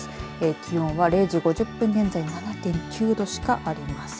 気温は０時５０分現在７．９度しかありません。